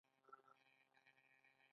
پاچا په لويه ماڼۍ کې ژوند کوي .